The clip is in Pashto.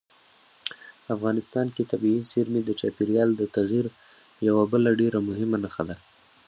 افغانستان کې طبیعي زیرمې د چاپېریال د تغیر یوه بله ډېره مهمه نښه ده.